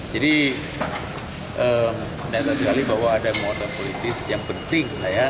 jadi menarik sekali bahwa ada muatan politis yang penting lah ya